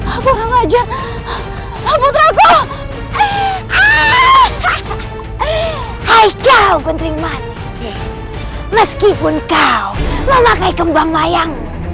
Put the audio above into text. aku tak mau aja putraku hai hai hai hai kau bentriman meskipun kau memakai kembang mayang